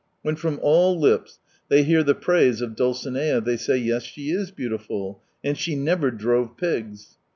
When from all lips they hear the praise of Dulcinea they say : yes, she is beautiful^ and she never drove pigs.